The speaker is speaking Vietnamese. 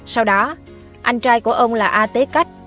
sau đó anh trai của ông là a tế cách